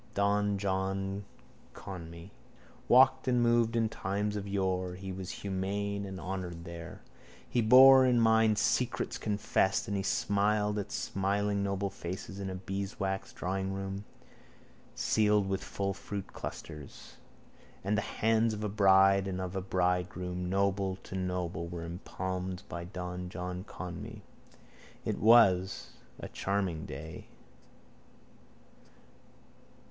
Don John Conmee walked and moved in times of yore. He was humane and honoured there. He bore in mind secrets confessed and he smiled at smiling noble faces in a beeswaxed drawingroom, ceiled with full fruit clusters. And the hands of a bride and of a bridegroom, noble to noble, were impalmed by Don John Conmee. It was a charming day.